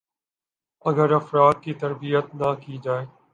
ا گر افراد کی تربیت نہ کی جائے